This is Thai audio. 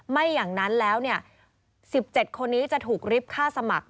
ไม่อย่างนั้นแล้ว๑๗คนนี้จะถูกริบค่าสมัคร